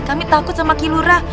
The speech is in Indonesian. kami takut sama kilurah